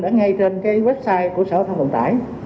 ở ngay trên website của sở giao thông vận tải